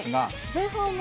前半は？